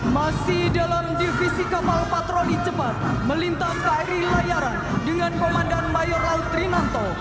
masih dalam divisi kapal patroli cepat melintas kri layaran dengan komandan mayor laut trinanto